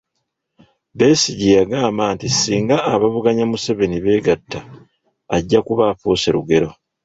Besigye yagamba nti singa abavuganya Museveni beegatta, ajja kuba afuuse lugero